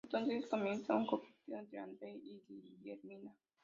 Entonces comienza un coqueteo entre Andrei y Guillermina.